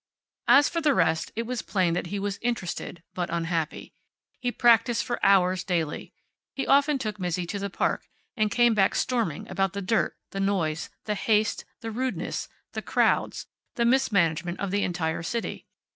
As for the rest, it was plain that he was interested, but unhappy. He practiced for hours daily. He often took Mizzi to the park and came back storming about the dirt, the noise, the haste, the rudeness, the crowds, the mismanagement of the entire city.